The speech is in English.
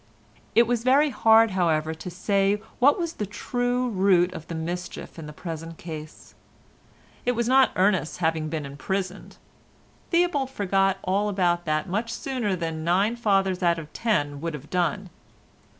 It was very hard, however, to say what was the true root of the mischief in the present case. It was not Ernest's having been imprisoned. Theobald forgot all about that much sooner than nine fathers out of ten would have done.